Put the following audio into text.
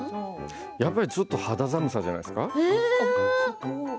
やっぱりちょっとした肌寒さじゃないですか。